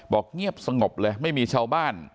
เงียบสงบเลยไม่มีชาวบ้าน